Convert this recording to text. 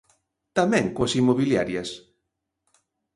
Tamén coas inmobiliarias.